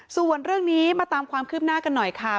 ส่วนเรื่องนี้มาตามความคืบหน้ากันหน่อยค่ะ